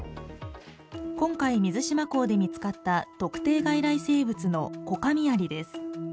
今回、水島港で見つかった特定外来生物のコカミアリです。